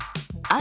あ！